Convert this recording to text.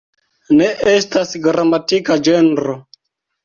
Ne estas gramatika ĝenro.